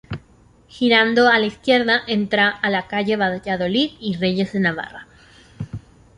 Girando a la izquierda entra en la Calle Valladolid y Reyes de Navarra.